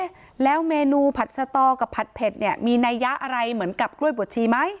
แล้วเมนูผัดสตอกับผัดเผ็ดเนี่ยมีนัยยะอะไรเหมือนกับกล้วยบวชชีไหม